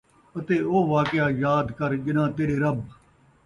اتے او واقعہ یاد کر ڄَݙاں تیݙے رَب